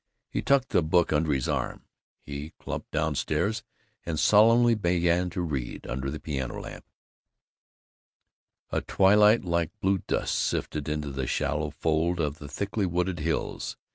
He tucked the book under his arm, he clumped down stairs and solemnly began to read, under the piano lamp: "A twilight like blue dust sifted into the shallow fold of the thickly wooded hills.